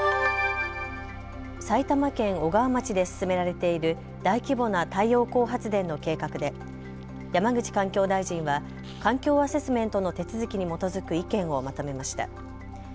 埼玉県小川町で進められている大規模な太陽光発電の計画で山口環境大臣は環境アセスメントの手続きに基づく意見をまとめました。